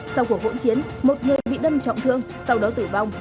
sau cuộc hỗn chiến một người bị đâm trọng thương sau đó tử vong